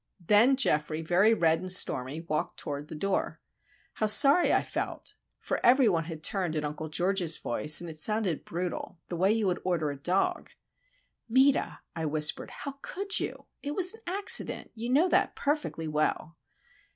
Then Geoffrey, very red and stormy, walked toward the door. How sorry I felt; for every one had turned at Uncle George's voice, and it sounded brutal,—the way one would order a dog. "Meta!" I whispered; "how could you? It was an accident—you know that perfectly well!"